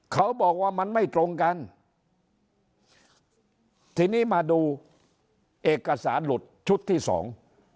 เขาบอกว่ามันไม่ตรงกันทีนี้มาดูเอกสารหลุดชุดที่สอง